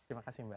terima kasih mbak